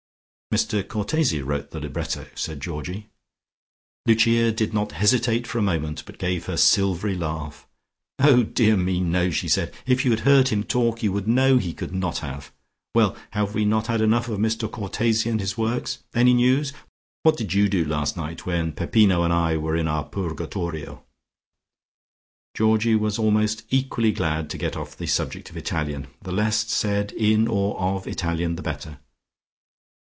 "Mr Cortese wrote the libretto," said Georgie. Lucia did not hesitate for a moment, but gave her silvery laugh. "Oh, dear me, no," she said. "If you had heard him talk you would know he could not have. Well, have we not had enough of Mr Cortese and his works? Any news? What did you do last night, when Peppino and I were in our purgatorio?" Georgie was almost equally glad to get off the subject of Italian. The less said in or of Italian the better.